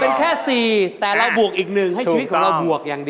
๒บวก๒ได้เท่าไหร่คะ